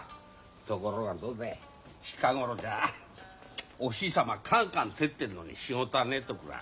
ところがどうだい近頃じゃお日様カンカン照ってるのに仕事がねえとくらあ。